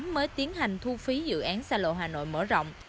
mới tiến hành thu phí dự án xa lộ hà nội mở rộng